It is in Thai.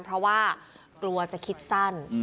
เพราะว่ากลัวจะคิดสั้น